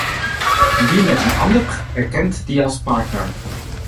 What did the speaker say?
Wie met een ander praat, erkent die als partner.